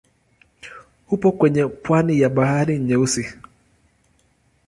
Upo kwenye pwani ya Bahari Nyeusi.